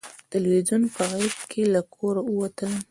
تلویزیون په غېږ له کوره ووتلم